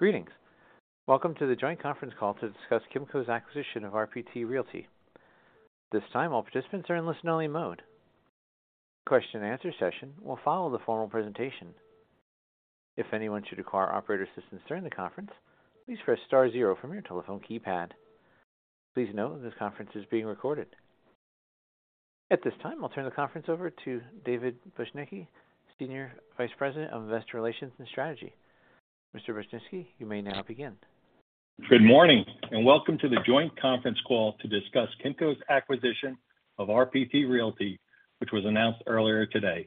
Greetings. Welcome to the joint conference call to discuss Kimco's acquisition of RPT Realty. This time, all participants are in listen-only mode. Question and answer session will follow the formal presentation. If anyone should require operator assistance during the conference, please press star zero from your telephone keypad. Please note that this conference is being recorded. At this time, I'll turn the conference over to David Bujnicki, Senior Vice President of Investor Relations and Strategy. Mr. Bujnicki, you may now begin. Good morning, and welcome to the joint conference call to discuss Kimco's acquisition of RPT Realty, which was announced earlier today.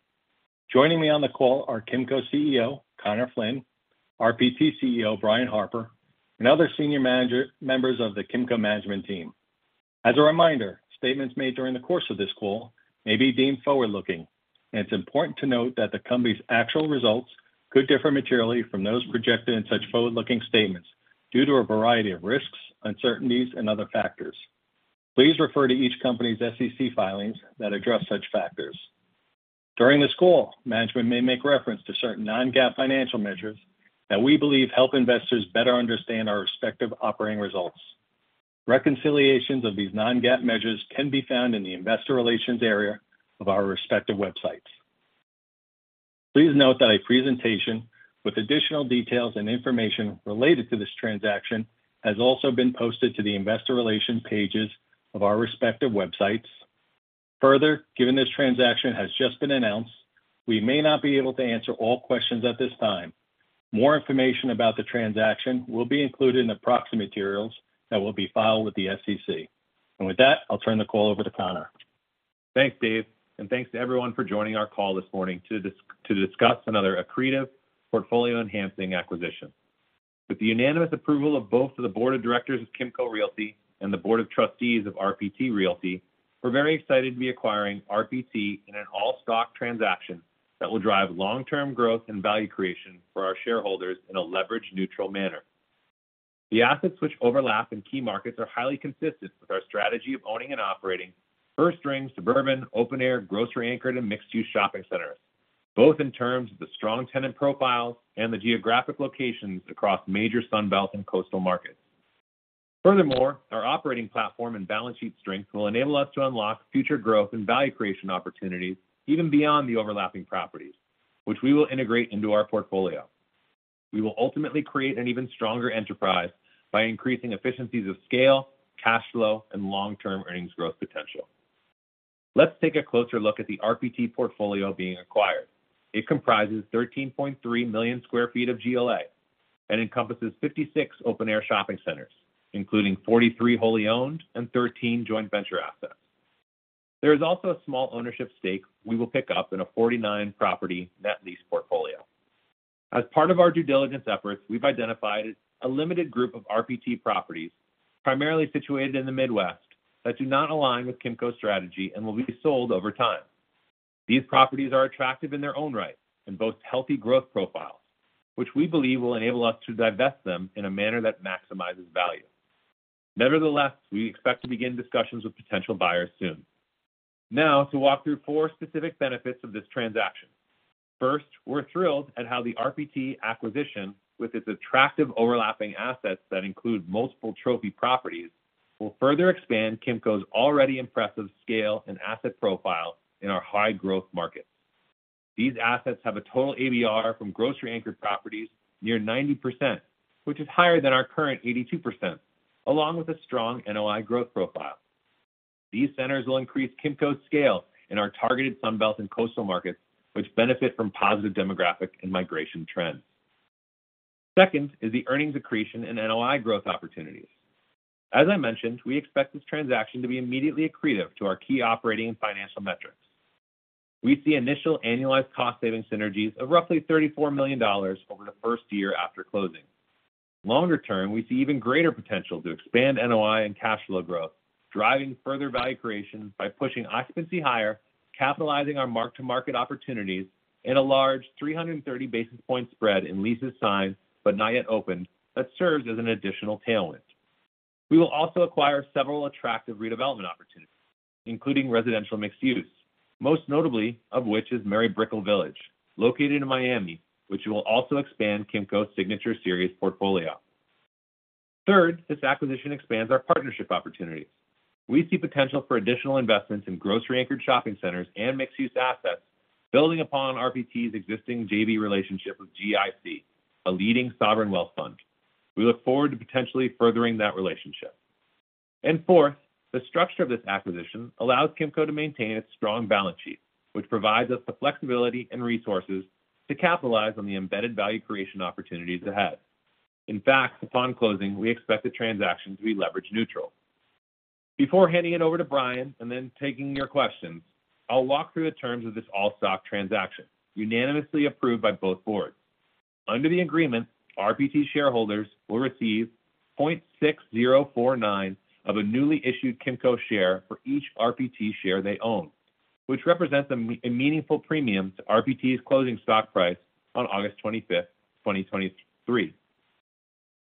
Joining me on the call are Kimco's CEO, Conor Flynn, RPT CEO, Brian Harper, and other senior management members of the Kimco management team. As a reminder, statements made during the course of this call may be deemed forward-looking, and it's important to note that the company's actual results could differ materially from those projected in such forward-looking statements due to a variety of risks, uncertainties, and other factors. Please refer to each company's SEC filings that address such factors. During this call, management may make reference to certain non-GAAP financial measures that we believe help investors better understand our respective operating results. Reconciliations of these non-GAAP measures can be found in the investor relations area of our respective websites. Please note that a presentation with additional details and information related to this transaction has also been posted to the investor relations pages of our respective websites. Further, given this transaction has just been announced, we may not be able to answer all questions at this time. More information about the transaction will be included in the proxy materials that will be filed with the SEC. With that, I'll turn the call over to Conor. Thanks, Dave, and thanks to everyone for joining our call this morning to discuss another accretive portfolio-enhancing acquisition. With the unanimous approval of both the board of directors of Kimco Realty and the board of trustees of RPT Realty, we're very excited to be acquiring RPT in an all-stock transaction that will drive long-term growth and value creation for our shareholders in a leverage-neutral manner. The assets which overlap in key markets are highly consistent with our strategy of owning and operating first-ring, suburban, open-air, grocery-anchored, and mixed-use shopping centers, both in terms of the strong tenant profiles and the geographic locations across major Sun Belt and coastal markets. Furthermore, our operating platform and balance sheet strength will enable us to unlock future growth and value creation opportunities even beyond the overlapping properties, which we will integrate into our portfolio. We will ultimately create an even stronger enterprise by increasing efficiencies of scale, cash flow, and long-term earnings growth potential. Let's take a closer look at the RPT portfolio being acquired. It comprises 13.3 million sq ft of GLA and encompasses 56 open-air shopping centers, including 43 wholly owned and 13 joint venture assets. There is also a small ownership stake we will pick up in a 49-property net lease portfolio. As part of our due diligence efforts, we've identified a limited group of RPT properties, primarily situated in the Midwest, that do not align with Kimco's strategy and will be sold over time. These properties are attractive in their own right and boast healthy growth profiles, which we believe will enable us to divest them in a manner that maximizes value. Nevertheless, we expect to begin discussions with potential buyers soon. Now, to walk through 4 specific benefits of this transaction. First, we're thrilled at how the RPT acquisition, with its attractive overlapping assets that include multiple trophy properties, will further expand Kimco's already impressive scale and asset profile in our high-growth markets. These assets have a total ABR from grocery-anchored properties near 90%, which is higher than our current 82%, along with a strong NOI growth profile. These centers will increase Kimco's scale in our targeted Sun Belt and coastal markets, which benefit from positive demographic and migration trends. Second is the earnings accretion and NOI growth opportunities. As I mentioned, we expect this transaction to be immediately accretive to our key operating and financial metrics. We see initial annualized cost saving synergies of roughly $34 million over the first year after closing. Longer term, we see even greater potential to expand NOI and cash flow growth, driving further value creation by pushing occupancy higher, capitalizing our Mark-to-Market opportunities in a large 330 basis point spread in leases signed but not yet opened, that serves as an additional tailwind. We will also acquire several attractive redevelopment opportunities, including residential mixed use, most notably of which is Mary Brickell Village, located in Miami, which will also expand Kimco's Signature Series portfolio. Third, this acquisition expands our partnership opportunities. We see potential for additional investments in grocery-anchored shopping centers and mixed-use assets, building upon RPT's existing JV relationship with GIC, a leading sovereign wealth fund. We look forward to potentially furthering that relationship. Fourth, the structure of this acquisition allows Kimco to maintain its strong balance sheet, which provides us the flexibility and resources to capitalize on the embedded value creation opportunities ahead. In fact, upon closing, we expect the transaction to be leverage neutral. Before handing it over to Brian and then taking your questions, I'll walk through the terms of this all-stock transaction, unanimously approved by both boards. Under the agreement, RPT shareholders will receive 0.6049 of a newly issued Kimco share for each RPT share they own, which represents a meaningful premium to RPT's closing stock price on August 25, 2023.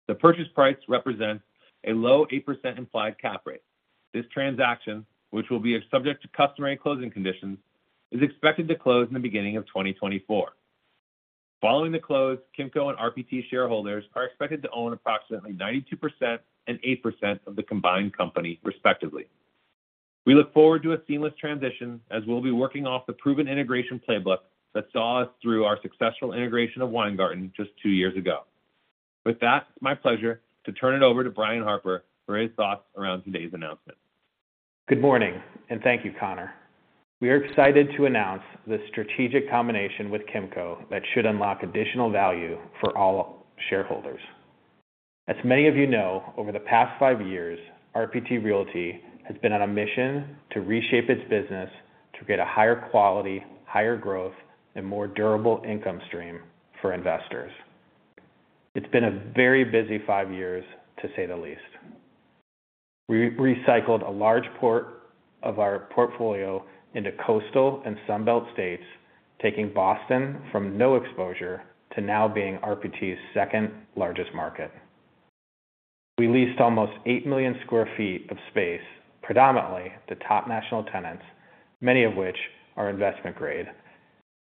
The purchase price represents a low 8% implied cap rate. This transaction, which will be subject to customary closing conditions, is expected to close in the beginning of 2024. Following the close, Kimco and RPT shareholders are expected to own approximately 92% and 8% of the combined company respectively. We look forward to a seamless transition, as we'll be working off the proven integration playbook that saw us through our successful integration of Weingarten just two years ago. With that, it's my pleasure to turn it over to Brian Harper for his thoughts around today's announcement. Good morning, and thank you, Conor. We are excited to announce the strategic combination with Kimco that should unlock additional value for all shareholders. As many of you know, over the past five years, RPT Realty has been on a mission to reshape its business to create a higher quality, higher growth, and more durable income stream for investors. It's been a very busy five years, to say the least. We recycled a large portion of our portfolio into coastal and Sun Belt states, taking Boston from no exposure to now being RPT's second largest market. We leased almost 8 million sq ft of space, predominantly to top national tenants, many of which are investment grade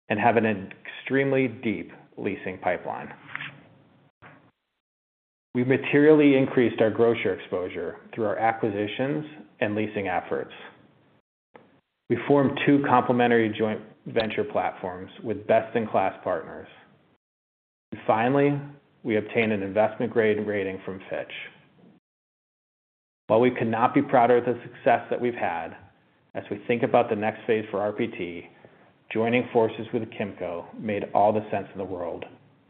and have an extremely deep leasing pipeline. We've materially increased our grocer exposure through our acquisitions and leasing efforts. We formed two complementary joint venture platforms with best-in-class partners. Finally, we obtained an investment-grade rating from Fitch. While we cannot be prouder of the success that we've had, as we think about the next phase for RPT, joining forces with Kimco made all the sense in the world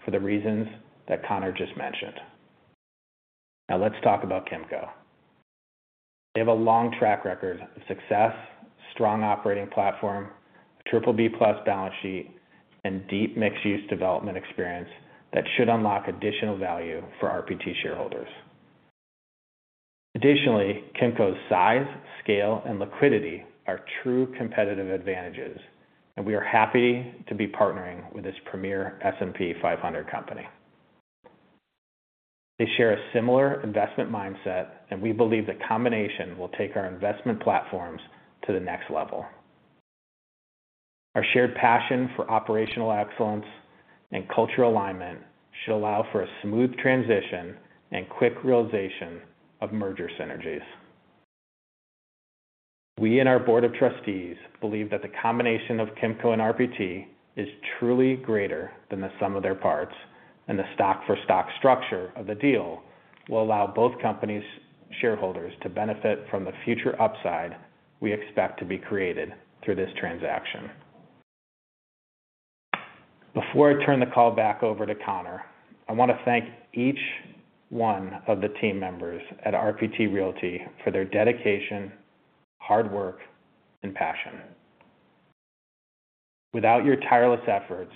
for the reasons that Conor just mentioned. Now, let's talk about Kimco. They have a long track record of success, strong operating platform, triple B plus balance sheet, and deep mixed-use development experience that should unlock additional value for RPT shareholders. Additionally, Kimco's size, scale, and liquidity are true competitive advantages, and we are happy to be partnering with this premier S&P 500 company. They share a similar investment mindset, and we believe the combination will take our investment platforms to the next level. Our shared passion for operational excellence and cultural alignment should allow for a smooth transition and quick realization of merger synergies. We and our board of trustees believe that the combination of Kimco and RPT is truly greater than the sum of their parts, and the stock-for-stock structure of the deal will allow both companies' shareholders to benefit from the future upside we expect to be created through this transaction. Before I turn the call back over to Conor, I want to thank each one of the team members at RPT Realty for their dedication, hard work, and passion. Without your tireless efforts,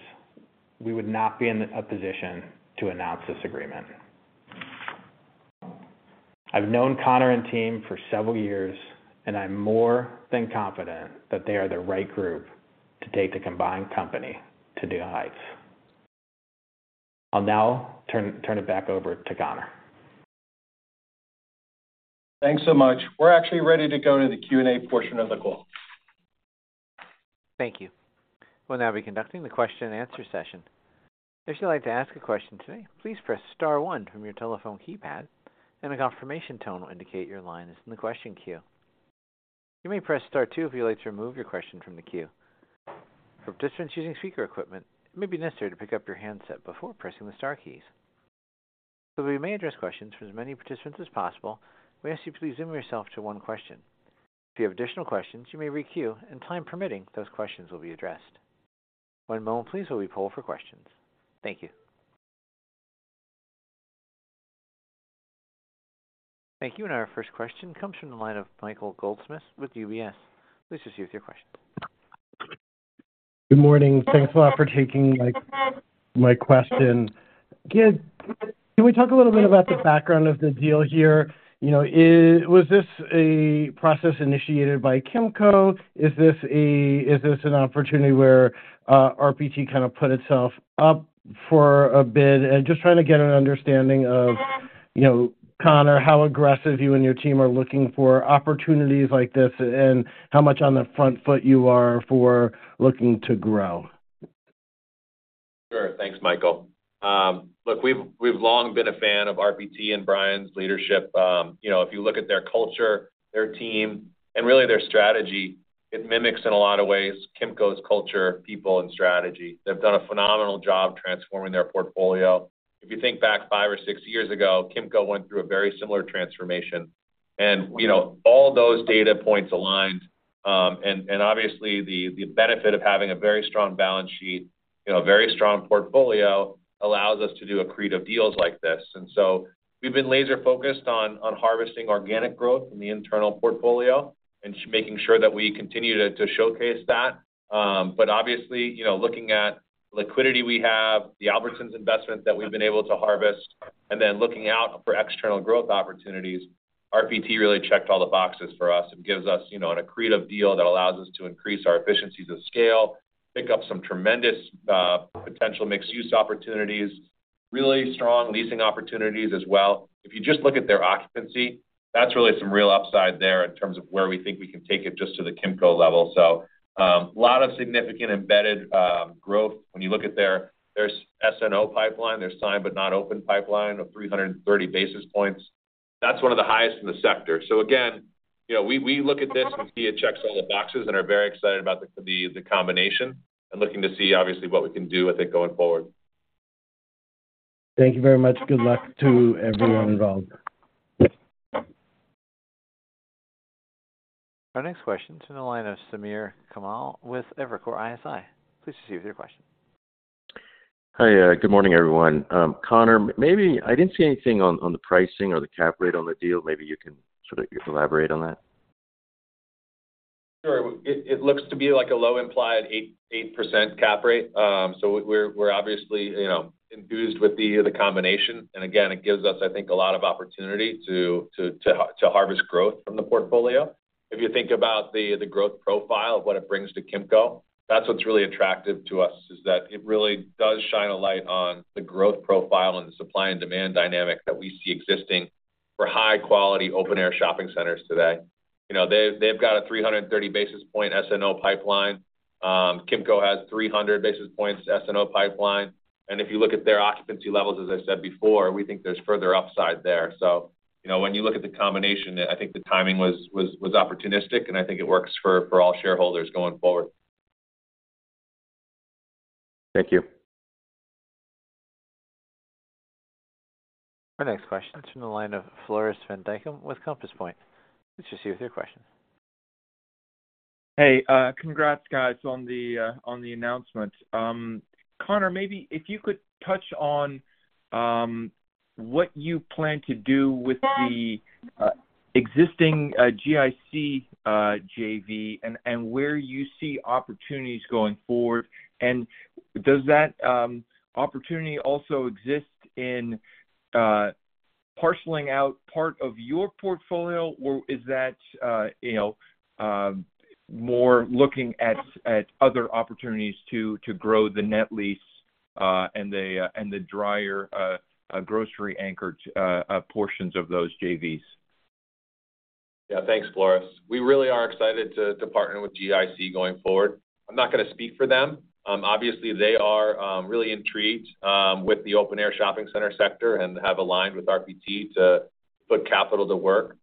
we would not be in a position to announce this agreement. I've known Conor and team for several years, and I'm more than confident that they are the right group to take the combined company to new heights. I'll now turn it back over to Conor. Thanks so much. We're actually ready to go to the Q&A portion of the call. Thank you. We'll now be conducting the question and answer session. If you'd like to ask a question today, please press star one from your telephone keypad, and a confirmation tone will indicate your line is in the question queue. You may press star two if you'd like to remove your question from the queue. For participants using speaker equipment, it may be necessary to pick up your handset before pressing the star keys. So we may address questions from as many participants as possible, we ask you to please limit yourself to one question. If you have additional questions, you may re-queue, and time permitting, those questions will be addressed. One moment, please, while we poll for questions. Thank you. Thank you. Our first question comes from the line of Michael Goldsmith with UBS. Please proceed with your question. Good morning. Thanks a lot for taking my question. Can we talk a little bit about the background of the deal here? You know, is this a process initiated by Kimco? Is this an opportunity where RPT kind of put itself up for a bid? And just trying to get an understanding of, you know, Conor, how aggressive you and your team are looking for opportunities like this, and how much on the front foot you are for looking to grow. Sure. Thanks, Michael. Look, we've long been a fan of RPT and Brian's leadership. You know, if you look at their culture, their team, and really their strategy, it mimics in a lot of ways, Kimco's culture, people, and strategy. They've done a phenomenal job transforming their portfolio. If you think back five or six years ago, Kimco went through a very similar transformation, and, you know, all those data points aligned. And obviously, the benefit of having a very strong balance sheet, you know, a very strong portfolio, allows us to do accretive deals like this. And so we've been laser-focused on harvesting organic growth in the internal portfolio and making sure that we continue to showcase that. But obviously, you know, looking at liquidity we have, the Albertsons investment that we've been able to harvest, and then looking out for external growth opportunities, RPT really checked all the boxes for us and gives us, you know, an accretive deal that allows us to increase our efficiencies of scale, pick up some tremendous potential mixed-use opportunities... really strong leasing opportunities as well. If you just look at their occupancy, that's really some real upside there in terms of where we think we can take it just to the Kimco level. So, a lot of significant embedded growth when you look at their, their SNO pipeline, their signed but not open pipeline of 330 basis points. That's one of the highest in the sector. So again, you know, we look at this and see it checks all the boxes and are very excited about the combination, and looking to see obviously what we can do with it going forward. Thank you very much. Good luck to everyone involved. Our next question is in the line of Samir Khanal with Evercore ISI. Please proceed with your question. Hi, good morning, everyone. Conor, maybe I didn't see anything on the pricing or the cap rate on the deal. Maybe you can sort of elaborate on that. Sure. It looks to be like a low implied 8% cap rate. So we're obviously, you know, enthused with the combination, and again, it gives us, I think, a lot of opportunity to harvest growth from the portfolio. If you think about the growth profile of what it brings to Kimco, that's what's really attractive to us, is that it really does shine a light on the growth profile and the supply and demand dynamic that we see existing for high-quality open-air shopping centers today. You know, they've got a 330 basis point SNO pipeline. Kimco has 300 basis points SNO pipeline, and if you look at their occupancy levels, as I said before, we think there's further upside there. You know, when you look at the combination, I think the timing was opportunistic, and I think it works for all shareholders going forward. Thank you. Our next question is from the line of Floris Van Dijkum with Compass Point. Please proceed with your question. Hey, congrats, guys, on the announcement. Conor, maybe if you could touch on what you plan to do with the existing GIC JV, and where you see opportunities going forward. And does that opportunity also exist in parceling out part of your portfolio, or is that, you know, more looking at other opportunities to grow the net lease, and the drier grocery-anchored portions of those JVs? Yeah. Thanks, Floris. We really are excited to partner with GIC going forward. I'm not gonna speak for them. Obviously, they are really intrigued with the open-air shopping center sector and have aligned with RPT to put capital to work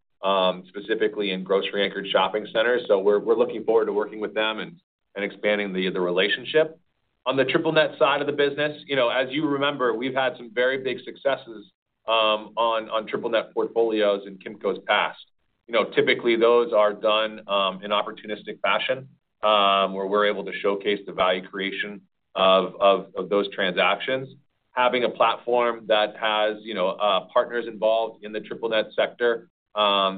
specifically in grocery-anchored shopping centers. So we're looking forward to working with them and expanding the relationship. On the triple net side of the business, you know, as you remember, we've had some very big successes on triple net portfolios in Kimco's past. You know, typically, those are done in opportunistic fashion where we're able to showcase the value creation of those transactions. Having a platform that has, you know, partners involved in the triple net sector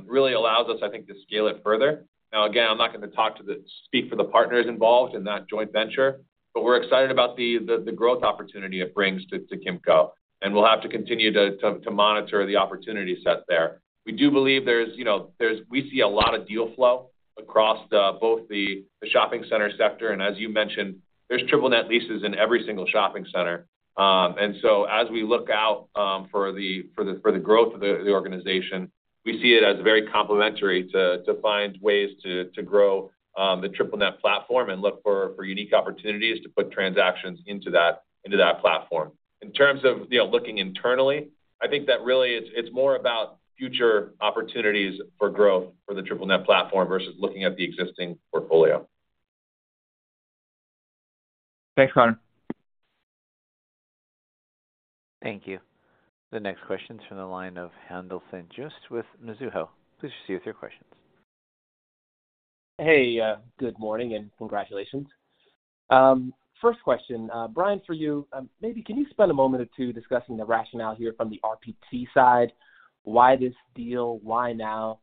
really allows us, I think, to scale it further. Now, again, I'm not gonna talk to the-- speak for the partners involved in that joint venture, but we're excited about the growth opportunity it brings to Kimco, and we'll have to continue to monitor the opportunity set there. We do believe there's, you know, we see a lot of deal flow across both the shopping center sector, and as you mentioned, there's triple net leases in every single shopping center. And so as we look out for the growth of the organization, we see it as very complementary to find ways to grow the triple net platform and look for unique opportunities to put transactions into that platform. In terms of, you know, looking internally, I think that really it's more about future opportunities for growth for the triple net platform versus looking at the existing portfolio. Thanks, Conor. Thank you. The next question is from the line of Haendel St.-Juste with Mizuho. Please proceed with your questions. Hey, good morning, and congratulations. First question, Brian, for you, maybe can you spend a moment or two discussing the rationale here from the RPT side? Why this deal? Why now?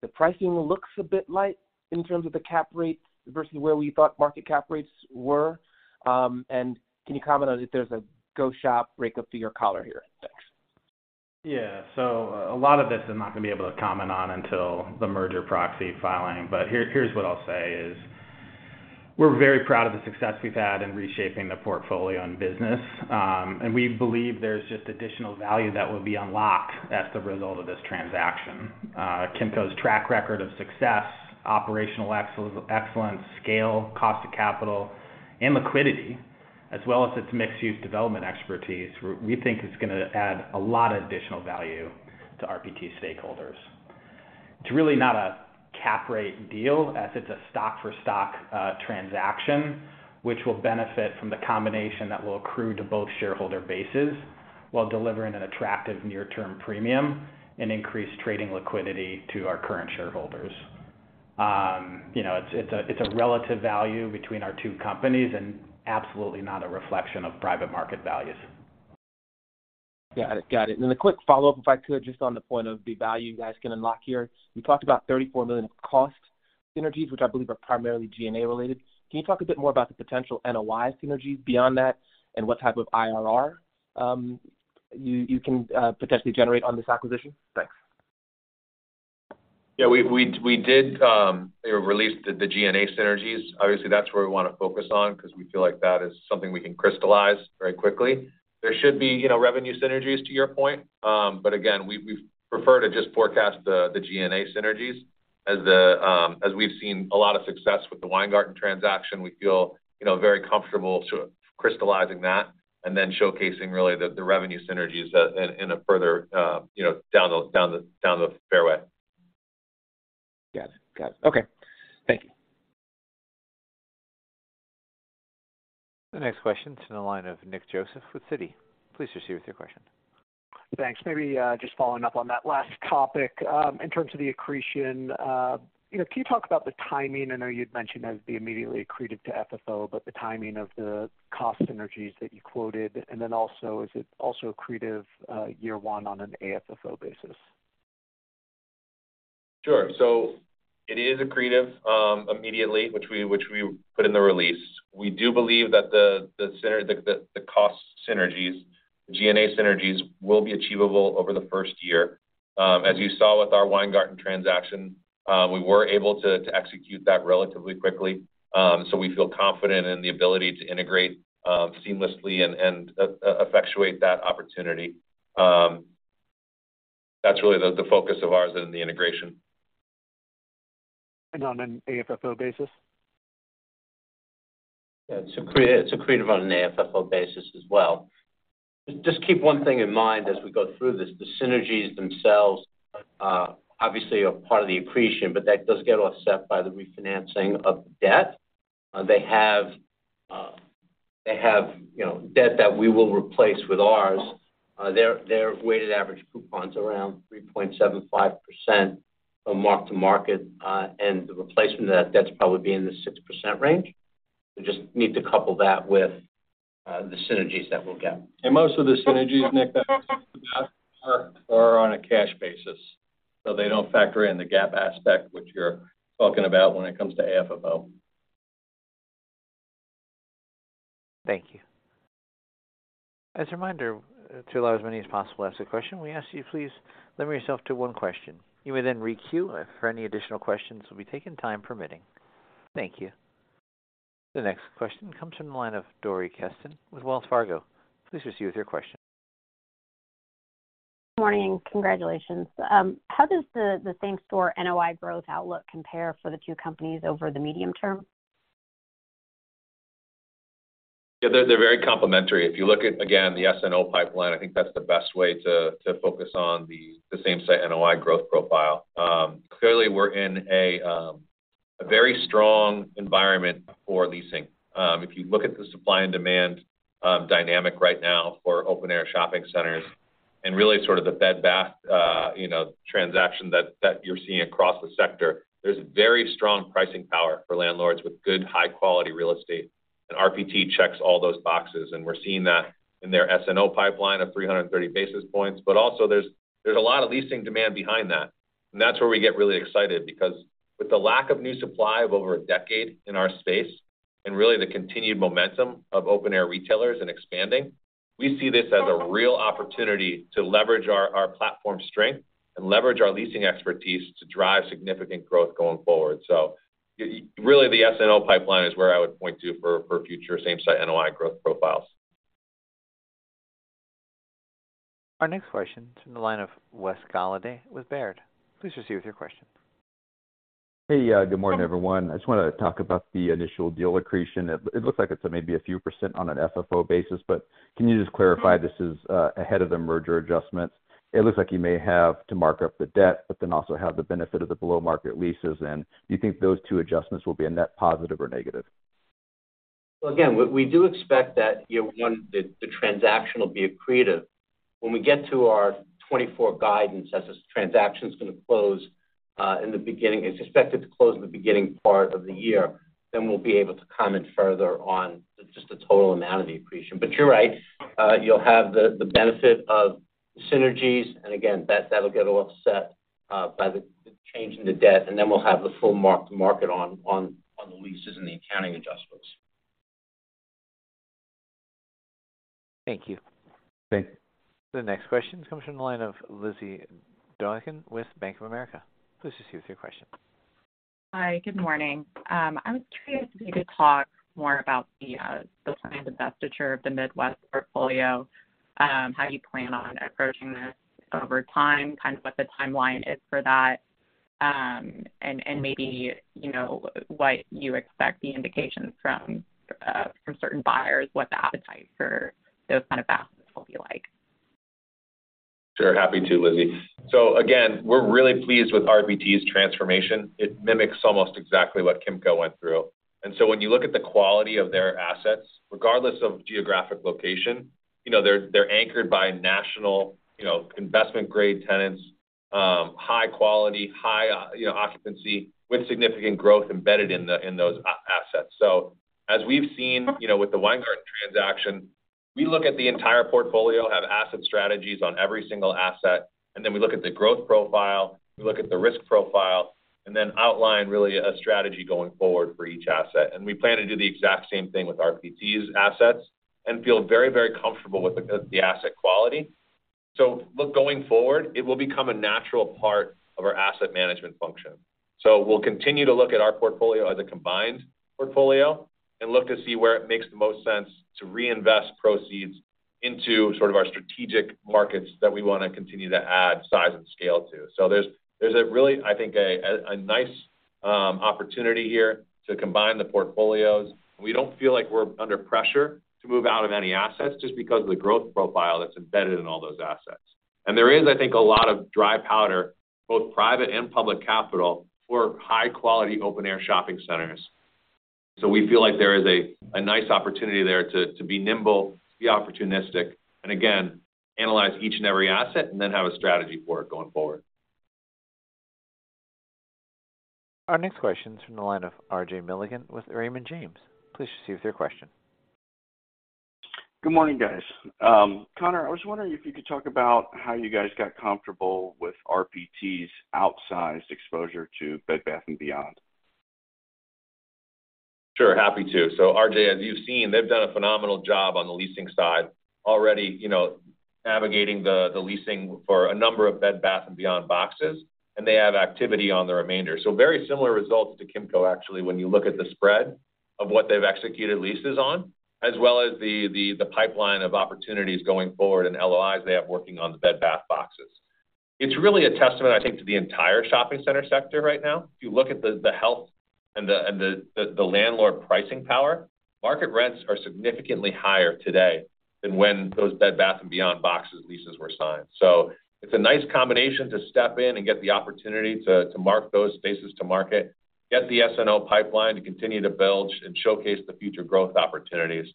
The pricing looks a bit light in terms of the cap rate versus where we thought market cap rates were. And can you comment on if there's a go shop breakup to your collar here? Thanks. Yeah. So a lot of this I'm not gonna be able to comment on until the merger proxy filing, but here, here's what I'll say is: We're very proud of the success we've had in reshaping the portfolio and business, and we believe there's just additional value that will be unlocked as the result of this transaction. Kimco's track record of success, operational excellence, scale, cost of capital, and liquidity, as well as its mixed-use development expertise, we think is gonna add a lot of additional value to RPT stakeholders. It's really not a cap rate deal, as it's a stock-for-stock transaction, which will benefit from the combination that will accrue to both shareholder bases while delivering an attractive near-term premium and increased trading liquidity to our current shareholders. You know, it's a relative value between our two companies and absolutely not a reflection of private market values. Got it. Got it. And then a quick follow-up, if I could, just on the point of the value you guys can unlock here. You talked about $34 million in cost synergies, which I believe are primarily G&A related. Can you talk a bit more about the potential NOI synergies beyond that, and what type of IRR you can potentially generate on this acquisition? Thanks. Yeah, we did release the G&A synergies. Obviously, that's where we wanna focus on, 'cause we feel like that is something we can crystallize very quickly. There should be, you know, revenue synergies to your point. But again, we prefer to just forecast the G&A synergies. As we've seen a lot of success with the Weingarten transaction, we feel, you know, very comfortable sort of crystallizing that and then showcasing really the revenue synergies that in a further, you know, down the fairway. Got it. Got it. Okay. Thank you. The next question is in the line of Nick Joseph with Citi. Please proceed with your question. Thanks. Maybe, just following up on that last topic, in terms of the accretion, you know, can you talk about the timing? I know you'd mentioned as being immediately accretive to FFO, but the timing of the cost synergies that you quoted, and then also, is it also accretive year one on an AFFO basis? Sure. So it is accretive immediately, which we put in the release. We do believe that the cost synergies, G&A synergies, will be achievable over the first year. As you saw with our Weingarten transaction, we were able to execute that relatively quickly. So we feel confident in the ability to integrate seamlessly and effectuate that opportunity. That's really the focus of ours in the integration. On an AFFO basis? Yeah, it's accretive, accretive on an AFFO basis as well. Just keep one thing in mind as we go through this, the synergies themselves, obviously are part of the accretion, but that does get offset by the refinancing of debt. They have, you know, debt that we will replace with ours. Their weighted average coupon's around 3.75% of mark-to-market, and the replacement of that debt's probably be in the 6% range. We just need to couple that with, the synergies that we'll get. Most of the synergies, Nick, are on a cash basis, so they don't factor in the GAAP aspect, which you're talking about when it comes to AFFO. Thank you. As a reminder, to allow as many as possible to ask a question, we ask you, please limit yourself to one question. You may then requeue for any additional questions to be taken, time permitting. Thank you. The next question comes from the line of Dori Kesten with Wells Fargo. Please proceed with your question. Morning, congratulations. How does the same store NOI growth outlook compare for the two companies over the medium term? Yeah, they're very complementary. If you look at, again, the SNO pipeline, I think that's the best way to focus on the same-site NOI growth profile. Clearly, we're in a very strong environment for leasing. If you look at the supply and demand dynamic right now for open-air shopping centers and really sort of the Bed Bath, you know, transaction that you're seeing across the sector, there's very strong pricing power for landlords with good, high-quality real estate. And RPT checks all those boxes, and we're seeing that in their SNO pipeline of 330 basis points. But also there's a lot of leasing demand behind that. That's where we get really excited, because with the lack of new supply of over a decade in our space, and really the continued momentum of open-air retailers in expanding, we see this as a real opportunity to leverage our platform strength and leverage our leasing expertise to drive significant growth going forward. So really, the SNO pipeline is where I would point to for future same-site NOI growth profiles. Our next question is from the line of Wes Golladay with Baird. Please proceed with your question. Hey, good morning, everyone. I just wanna talk about the initial deal accretion. It looks like it's maybe a few% on an FFO basis, but can you just clarify this is ahead of the merger adjustments? It looks like you may have to mark up the debt, but then also have the benefit of the below-market leases. And do you think those two adjustments will be a net positive or negative? Well, again, we do expect that year one, the transaction will be accretive. When we get to our 2024 guidance, as this transaction is gonna close in the beginning part of the year, then we'll be able to comment further on just the total amount of the accretion. But you're right, you'll have the benefit of synergies, and again, that, that'll get offset by the change in the debt, and then we'll have the full mark-to-market on the leases and the accounting adjustments. Thank you. Great. The next question comes from the line of Lizzy Doykan with Bank of America. Please proceed with your question. Hi, good morning. I was curious if you could talk more about the planned divestiture of the Midwest portfolio, how you plan on approaching this over time, kind of what the timeline is for that, and maybe, you know, what you expect the indications from certain buyers, what the appetite for those kind of assets will be like? Sure. Happy to, Lizzy. So again, we're really pleased with RPT's transformation. It mimics almost exactly what Kimco went through. And so when you look at the quality of their assets, regardless of geographic location, you know, they're anchored by national, you know, investment-grade tenants, high quality, high, you know, occupancy, with significant growth embedded in the, in those assets. So as we've seen, you know, with the Weingarten transaction, we look at the entire portfolio, have asset strategies on every single asset, and then we look at the growth profile, we look at the risk profile, and then outline really a strategy going forward for each asset. And we plan to do the exact same thing with RPT's assets and feel very, very comfortable with the asset quality. So look, going forward, it will become a natural part of our asset management function. So we'll continue to look at our portfolio as a combined portfolio and look to see where it makes the most sense to reinvest proceeds into sort of our strategic markets that we wanna continue to add size and scale to. So there's a really, I think, a nice opportunity here to combine the portfolios. We don't feel like we're under pressure to move out of any assets, just because of the growth profile that's embedded in all those assets. And there is, I think, a lot of dry powder, both private and public capital, for high-quality open-air shopping centers. So we feel like there is a nice opportunity there to be nimble, be opportunistic, and again, analyze each and every asset and then have a strategy for it going forward. Our next question is from the line of RJ Milligan with Raymond James. Please proceed with your question. Good morning, guys. Conor, I was wondering if you could talk about how you guys got comfortable with RPT's outsized exposure to Bed Bath & Beyond? Sure, happy to. So RJ, as you've seen, they've done a phenomenal job on the leasing side, already, you know, navigating the leasing for a number of Bed Bath & Beyond boxes, and they have activity on the remainder. So very similar results to Kimco, actually, when you look at the spread of what they've executed leases on, as well as the pipeline of opportunities going forward and LOIs they have working on the Bed Bath boxes. It's really a testament, I think, to the entire shopping center sector right now. If you look at the health and the landlord pricing power, market rents are significantly higher today than when those Bed Bath & Beyond boxes leases were signed. So it's a nice combination to step in and get the opportunity to mark those spaces to market, get the SNO pipeline to continue to build and showcase the future growth opportunities.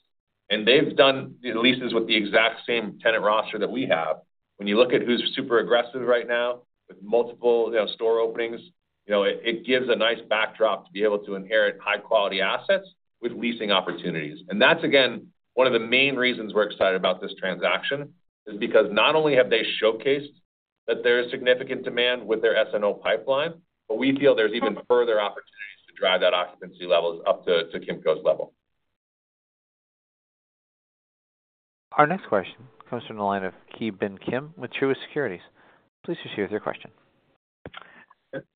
And they've done the leases with the exact same tenant roster that we have. When you look at who's super aggressive right now, with multiple, you know, store openings, you know, it gives a nice backdrop to be able to inherit high-quality assets with leasing opportunities. And that's, again, one of the main reasons we're excited about this transaction, is because not only have they showcased that there is significant demand with their SNO pipeline, but we feel there's even further opportunities to drive that occupancy levels up to Kimco's level. Our next question comes from the line of Ki Bin Kim with Truist Securities. Please proceed with your question.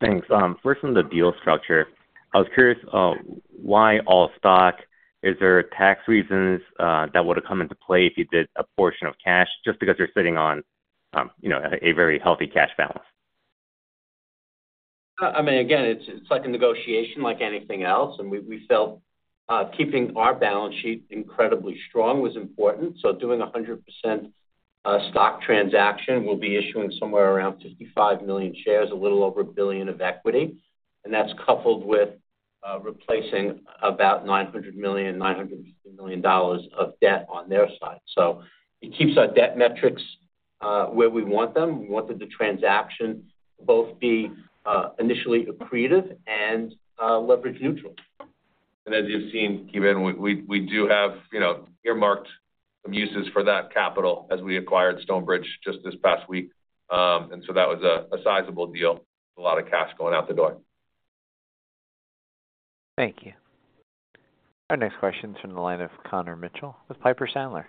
Thanks. First, on the deal structure, I was curious, why all stock? Is there tax reasons that would have come into play if you did a portion of cash, just because you're sitting on, you know, a very healthy cash balance? I mean, again, it's, it's like a negotiation like anything else, and we, we felt keeping our balance sheet incredibly strong was important. So doing 100%, stock transaction, we'll be issuing somewhere around 55 million shares, a little over $1 billion of equity, and that's coupled with replacing about $900 million-$950 million of debt on their side. So it keeps our debt metrics where we want them. We wanted the transaction to both be initially accretive and leverage neutral. As you've seen, Ki Bin, we do have, you know, earmarked some uses for that capital as we acquired Stonebridge just this past week. And so that was a sizable deal, a lot of cash going out the door. Thank you. Our next question is from the line of Connor Mitchell with Piper Sandler.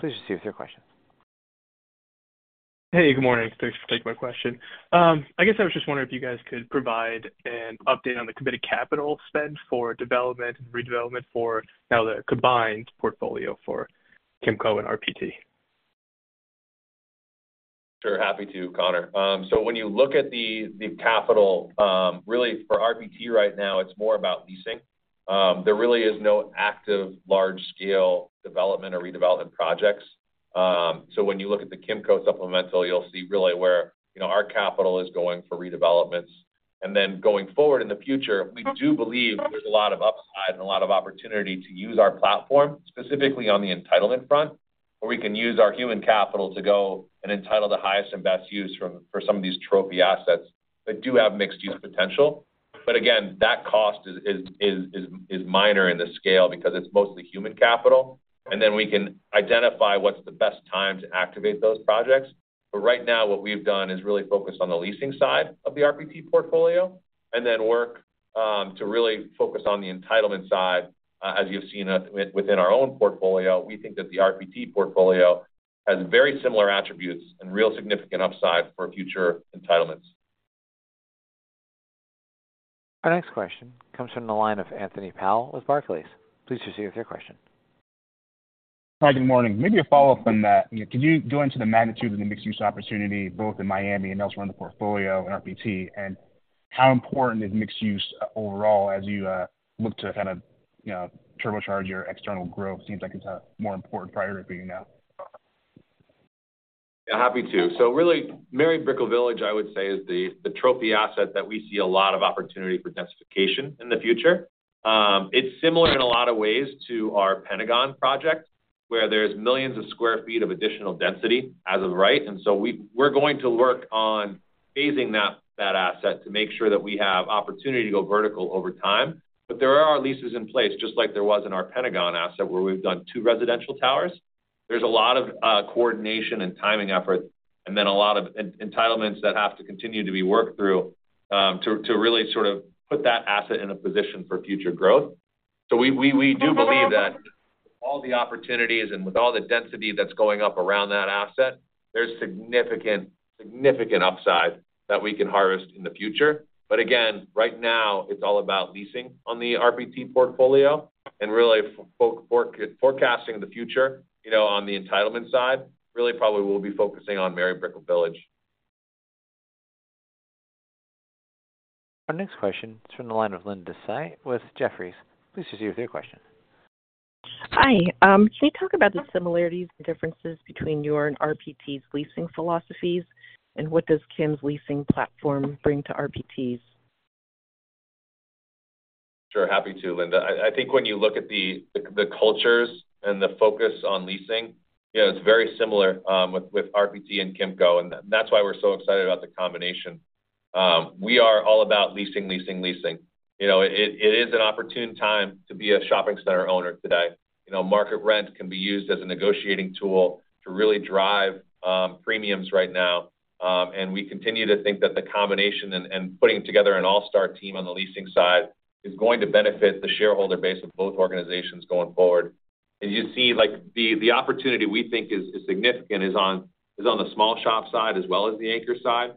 Please proceed with your question. Hey, good morning. Thanks for taking my question. I guess I was just wondering if you guys could provide an update on the committed capital spend for development and redevelopment for now the combined portfolio for Kimco and RPT. Sure, happy to, Connor. So when you look at the capital really for RPT right now, it's more about leasing. There really is no active large-scale development or redevelopment projects. So when you look at the Kimco supplemental, you'll see really where, you know, our capital is going for redevelopments. And then going forward in the future, we do believe there's a lot of upside and a lot of opportunity to use our platform, specifically on the entitlement front, where we can use our human capital to go and entitle the highest and best use for some of these trophy assets that do have mixed-use potential. But again, that cost is minor in the scale because it's mostly human capital, and then we can identify what's the best time to activate those projects. But right now, what we've done is really focus on the leasing side of the RPT portfolio and then work to really focus on the entitlement side. As you've seen us within our own portfolio, we think that the RPT portfolio has very similar attributes and real significant upside for future entitlements. Our next question comes from the line of Anthony Powell with Barclays. Please proceed with your question. Hi, good morning. Maybe a follow-up on that. Could you go into the magnitude of the mixed-use opportunity, both in Miami and elsewhere in the portfolio in RPT, and how important is mixed use overall as you look to kind of, you know, turbocharge your external growth? Seems like it's a more important priority now. Yeah, happy to. So really, Mary Brickell Village, I would say, is the trophy asset that we see a lot of opportunity for densification in the future. It's similar in a lot of ways to our Pentagon project, where there's millions of sq ft of additional density as of right. And so we're going to work on phasing that asset to make sure that we have opportunity to go vertical over time. But there are leases in place, just like there was in our Pentagon asset, where we've done two residential towers. There's a lot of coordination and timing effort, and then a lot of entitlements that have to continue to be worked through, to really sort of put that asset in a position for future growth. So we do believe that with all the opportunities and with all the density that's going up around that asset, there's significant, significant upside that we can harvest in the future. But again, right now, it's all about leasing on the RPT portfolio and really forecasting the future, you know, on the entitlement side, really probably we'll be focusing on Mary Brickell Village. Our next question is from the line of Linda Tsai with Jefferies. Please proceed with your question. Hi. Can you talk about the similarities and differences between your and RPT's leasing philosophies, and what does Kim's leasing platform bring to RPT's? Sure, happy to, Linda. I think when you look at the cultures and the focus on leasing, you know, it's very similar with RPT and Kimco, and that's why we're so excited about the combination. We are all about leasing, leasing, leasing. You know, it is an opportune time to be a shopping center owner today. You know, market rent can be used as a negotiating tool to really drive premiums right now. And we continue to think that the combination and putting together an all-star team on the leasing side is going to benefit the shareholder base of both organizations going forward. And you see, like, the opportunity we think is significant on the small shop side as well as the anchor side,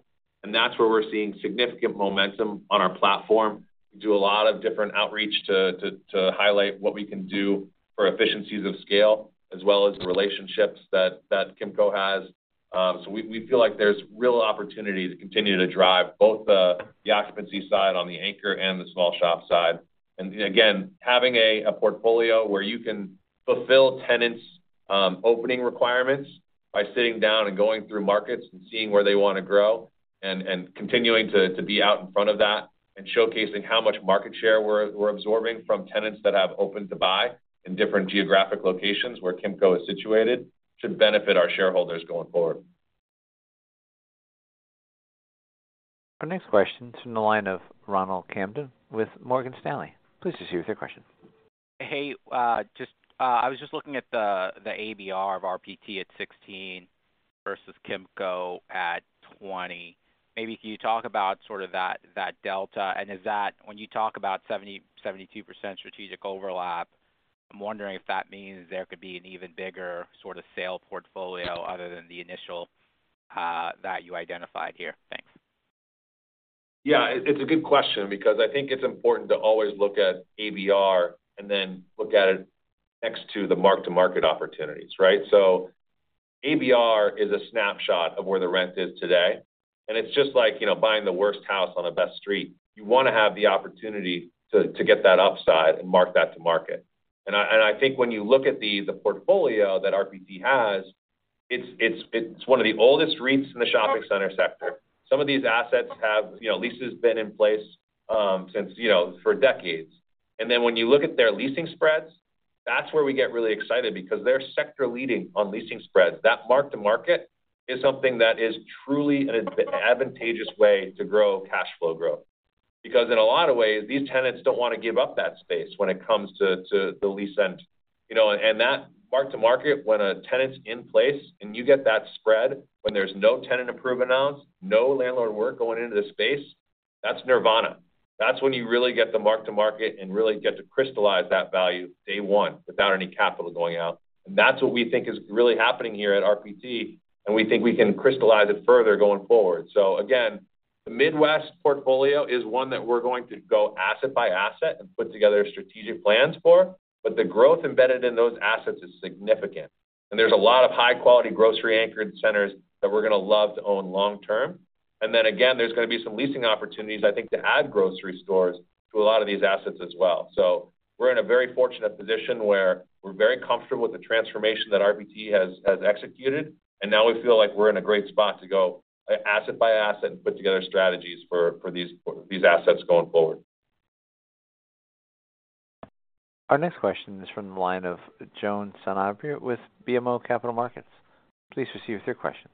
and that's where we're seeing significant momentum on our platform. We do a lot of different outreach to highlight what we can do for efficiencies of scale, as well as the relationships that Kimco has. So we feel like there's real opportunity to continue to drive both the occupancy side on the anchor and the small shop side. And again, having a portfolio where you can fulfill tenants' opening requirements by sitting down and going through markets and seeing where they wanna grow and continuing to be out in front of that, and showcasing how much market share we're absorbing from tenants that have open-to-buy in different geographic locations where Kimco is situated, should benefit our shareholders going forward. Our next question is from the line of Ronald Kamdem with Morgan Stanley. Please proceed with your question. Hey, just, I was just looking at the ABR of RPT at 16 versus Kimco at 20. Maybe can you talk about sort of that delta? And is that when you talk about 70%-72% strategic overlap, I'm wondering if that means there could be an even bigger sort of sale portfolio other than the initial, that you identified here. Thanks. Yeah, it's a good question because I think it's important to always look at ABR and then look at it next to the mark-to-market opportunities, right? So ABR is a snapshot of where the rent is today, and it's just like, you know, buying the worst house on the best street. You wanna have the opportunity to get that upside and mark that to market. And I think when you look at the portfolio that RPT has, it's one of the oldest REITs in the shopping center sector. Some of these assets have, you know, leases been in place since, you know, for decades. And then when you look at their leasing spreads, that's where we get really excited because they're sector-leading on leasing spreads. That mark to market is something that is truly an advantageous way to grow cash flow growth. Because in a lot of ways, these tenants don't wanna give up that space when it comes to, to the lease end. You know, and that mark to market, when a tenant's in place and you get that spread, when there's no tenant improvement announced, no landlord work going into the space, that's nirvana. That's when you really get the mark to market and really get to crystallize that value day one without any capital going out. And that's what we think is really happening here at RPT, and we think we can crystallize it further going forward. So again, the Midwest portfolio is one that we're going to go asset by asset and put together strategic plans for, but the growth embedded in those assets is significant. And there's a lot of high-quality, grocery-anchored centers that we're gonna love to own long term. Then again, there's gonna be some leasing opportunities, I think, to add grocery stores to a lot of these assets as well. We're in a very fortunate position where we're very comfortable with the transformation that RPT has executed, and now we feel like we're in a great spot to go asset by asset and put together strategies for these assets going forward. Our next question is from the line of Juan Sanabria with BMO Capital Markets. Please proceed with your questions.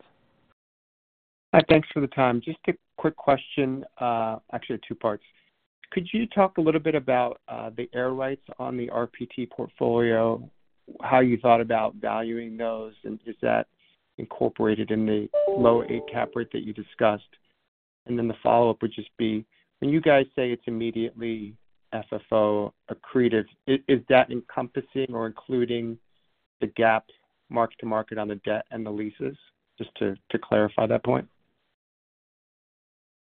Thanks for the time. Just a quick question, actually, two parts. Could you talk a little bit about the air rights on the RPT portfolio, how you thought about valuing those, and is that incorporated in the low eight cap rate that you discussed? And then the follow-up would just be, when you guys say it's immediately FFO accretive, is that encompassing or including the gapped mark-to-market on the debt and the leases? Just to clarify that point.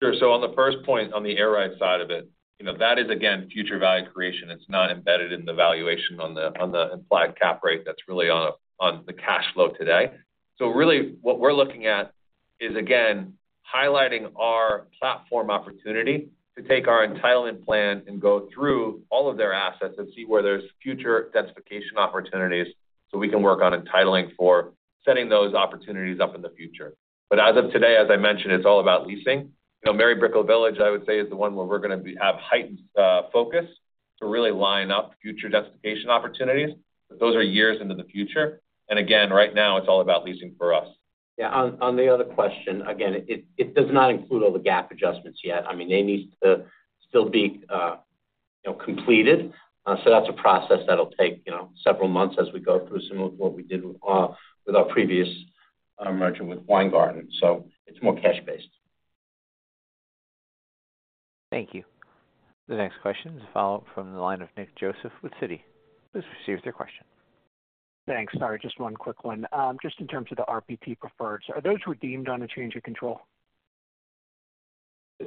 Sure. So on the first point, on the air rights side of it, you know, that is again, future value creation. It's not embedded in the valuation on the, on the implied cap rate. That's really on, on the cash flow today. So really, what we're looking at is, again, highlighting our platform opportunity to take our entitlement plan and go through all of their assets and see where there's future densification opportunities, so we can work on entitling for setting those opportunities up in the future. But as of today, as I mentioned, it's all about leasing. You know, Mary Brickell Village, I would say, is the one where we're gonna have heightened focus to really line up future densification opportunities. But those are years into the future, and again, right now, it's all about leasing for us. Yeah, on the other question, again, it does not include all the GAAP adjustments yet. I mean, they need to still be, you know, completed. So that's a process that'll take, you know, several months as we go through, similar to what we did, with our previous merger with Weingarten. So it's more cash based. Thank you. The next question is a follow-up from the line of Nick Joseph with Citi. Please proceed with your question. Thanks. Sorry, just one quick one. Just in terms of the RPT preferreds, are those redeemed on a change of control?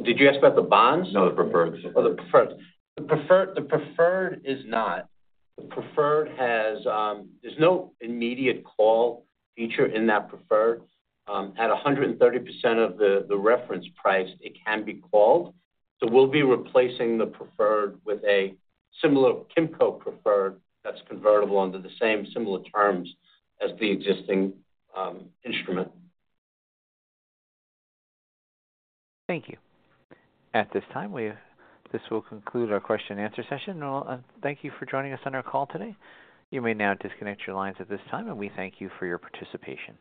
Did you ask about the bonds? No, the preferreds. Oh, the preferred. The preferred, the preferred is not. The preferred has... There's no immediate call feature in that preferred. At 130% of the reference price, it can be called. So we'll be replacing the preferred with a similar Kimco preferred that's convertible under the same similar terms as the existing instrument. Thank you. At this time, this will conclude our question and answer session. Well, thank you for joining us on our call today. You may now disconnect your lines at this time, and we thank you for your participation.